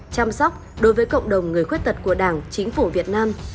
chăm sóc đối với cộng đồng người khuyết tật của đảng chính phủ việt nam